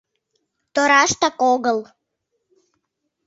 Тораштак огыл.